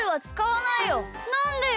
なんでよ！